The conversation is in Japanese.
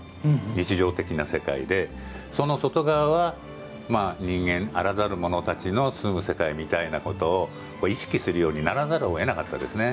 日常的な世界で、その外側は人間あらざるものたちのすむ世界みたいなことを意識することにならざるを得なかったですね。